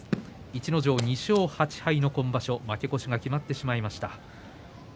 逸ノ城、２勝８敗、今場所負け越しが決まってしまいました。